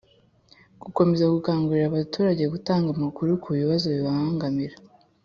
Gukomeza gukangurira abaturage gutanga amakuru ku bibazo bibangamira